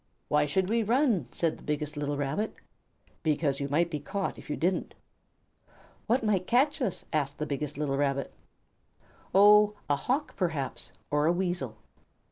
"Why should we run?" said the biggest little Rabbit. "Because you might be caught if you didn't." "What might catch us?" asked the biggest little Rabbit. "Oh, a Hawk, perhaps, or a Weasel."